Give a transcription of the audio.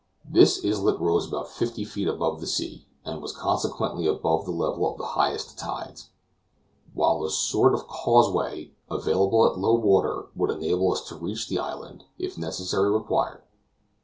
This islet rose about fifty feet above the sea, and was consequently above the level of the highest tides; while a sort of causeway, available at low water, would enable us to reach the island, if necessity required.